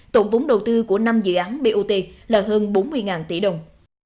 tổng vốn đầu tư của năm dự án bot là hơn bốn mươi tỷ đồng